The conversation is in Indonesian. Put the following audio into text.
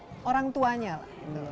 atau dari orang tuanya lah